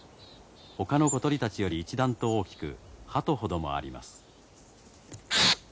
ほかの小鳥たちより一段と大きくハトほどもあります。